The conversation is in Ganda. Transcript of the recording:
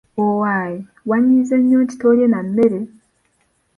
Owaaye, wanyiize nnyo nti toolye na mmere?